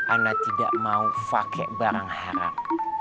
ana tidak mau pakai barang haram